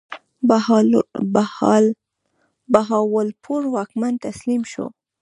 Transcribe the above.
بهاولپور واکمن تسلیم شو.